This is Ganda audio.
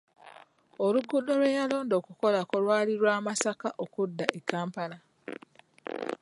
Oluguudo lwe yalonda okukolako lwali lwa Masaka okudda e kampala.